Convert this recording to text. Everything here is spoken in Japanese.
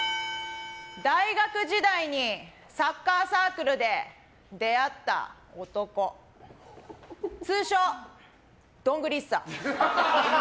大学時代にサッカーサークルで出会った男通称、どんぐりＩＳＳＡ。